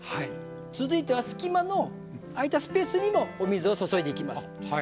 続いては隙間の空いたスペースにもお水を注いでいきます。